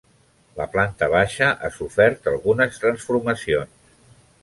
La planta baixa ha sofert algunes transformacions.